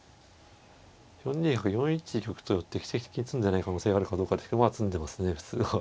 ４二角４一玉と寄ってきて詰んでない可能性があるかどうかですけどまあ詰んでますね普通は。